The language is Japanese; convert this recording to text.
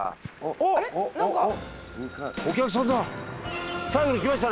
お客さんだ！